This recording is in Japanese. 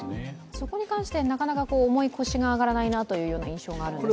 そこに関してなかなか重い腰が上がらないなという印象があるんですが。